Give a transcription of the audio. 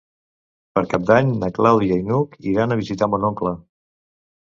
Per Cap d'Any na Clàudia i n'Hug iran a visitar mon oncle.